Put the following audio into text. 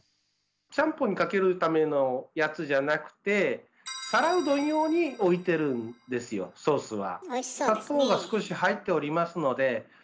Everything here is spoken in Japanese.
ちゃんぽんにかけるためのやつじゃなくて皿うどん用に置いてるんですよソースは。